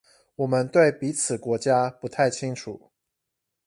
我們對彼此國家不太清楚